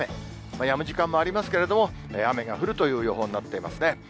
やむ時間もありますけれども、雨が降るという予報になっていますね。